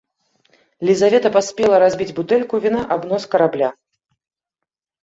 Лізавета паспела разбіць бутэльку віна аб нос карабля.